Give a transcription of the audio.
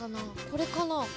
これかな？